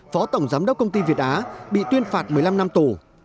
phó tổng giám đốc công ty việt á bị tuyên phạt một mươi năm năm tù